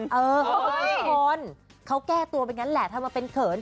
เออเห้อเดี๋ยวทุกคนเค้าแก้ตัวแบบนั้นแหละทำมาเป็นเขิน